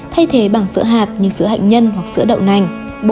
thay thế bằng sữa hạt như sữa hạt nhân hoặc sữa đậu nành